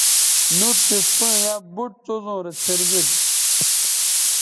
نُٹ تِس پیئں ییاں بُٹ څیزوں رے څھنر گید